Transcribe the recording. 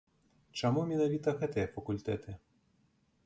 Чаму менавіта гэтыя факультэты?